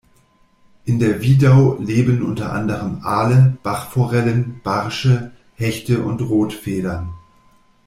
In der Wiedau leben unter anderem Aale, Bachforellen, Barsche, Hechte und Rotfedern.